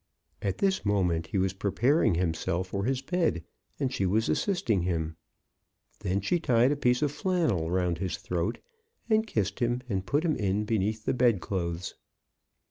At this mo ment he was preparing himself for his bed, and she was assisting him. Then she tied a piece of flannel round his throat, and kissed him, and put him in beneath the bedclothes.